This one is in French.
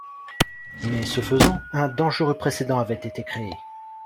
Mais ce faisant, un dangereux précédent avait été créé.